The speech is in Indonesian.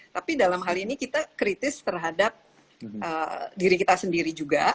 tapi dalam hal ini kita kritis terhadap diri kita sendiri juga